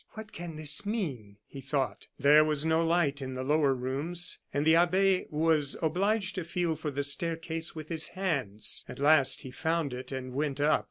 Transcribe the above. "What can this mean?" he thought. There was no light in the lower rooms, and the abbe was obliged to feel for the staircase with his hands. At last he found it and went up.